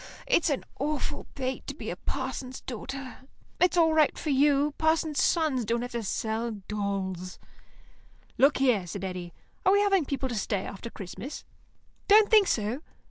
It's an awful fate to be a parson's daughter. It's all right for you; parsons' sons don't have to sell dolls." "Look here," said Eddy, "are we having people to stay after Christmas?" "Don't think so.